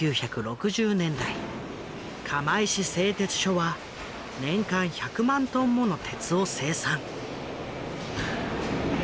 釜石製鉄所は年間１００万トンもの鉄を生産。